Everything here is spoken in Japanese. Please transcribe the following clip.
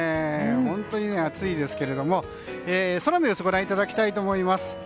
本当に暑いですけれども空の様子ご覧いただきたいと思います。